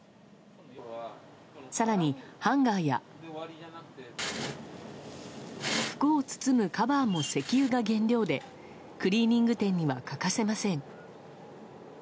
さらにハンガーや、服を包むカバーも石油が原料で、クリーニング店には欠かせません。